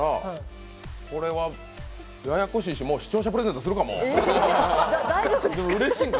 これはややこしいし、視聴者プレゼントするか、もう。